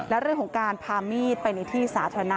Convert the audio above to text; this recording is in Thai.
และเรื่องของการพามีดไปในที่สาธารณะ